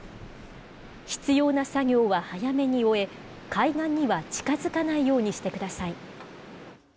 必要な作業は早めに終え、海岸には近づかないようにしてください。